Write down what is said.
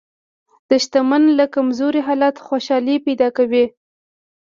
دښمن له کمزوري حالته خوشالي پیدا کوي